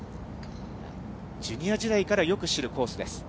ジュニア時代からよく知るコースです。